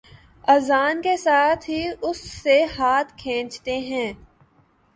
اذان کے ساتھ ہی اس سے ہاتھ کھینچتے ہیں